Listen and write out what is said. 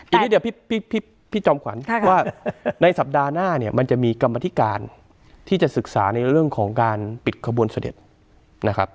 ทีนี้เดี๋ยวพี่จอมขวัญว่าในสัปดาห์หน้าเนี่ยมันจะมีกรรมธิการที่จะศึกษาในเรื่องของการปิดขบวนเสด็จนะครับ